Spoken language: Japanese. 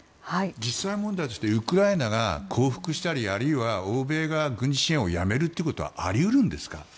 実際問題としてウクライナが降伏したりあるいは欧米が軍事支援をやめるということはあり得るんですか。